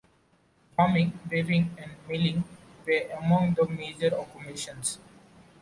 Farming, weaving, and milling were among the major occupations.